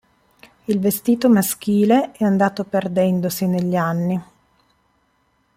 Il vestito maschile è andato perdendosi negli anni.